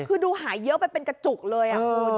คือดูหายเยอะไปเป็นกระจุกเลยคุณ